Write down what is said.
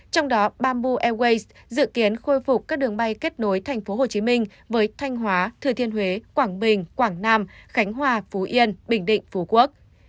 trong đó bamboo airways dự kiến khôi phục các đường bay kết nối thành phố hồ chí minh với thanh hóa thừa thiên huế quảng bình quảng nam khánh hòa phú yên bình định phú quốc